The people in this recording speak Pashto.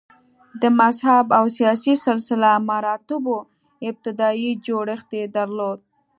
د مذهب او سیاسي سلسه مراتبو ابتدايي جوړښت یې درلود